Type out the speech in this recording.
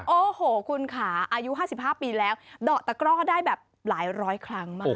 โอ้โหคุณค่ะอายุ๕๕ปีแล้วดอกตะกร่อได้แบบหลายร้อยครั้งมาก